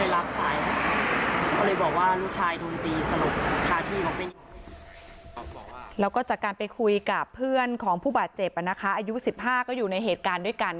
แล้วก็จากการไปคุยกับเพื่อนของผู้บาดเจ็บอายุ๑๕ก็อยู่ในเหตุการณ์ด้วยกัน